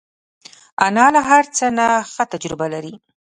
انا له هر څه نه ښه تجربه لري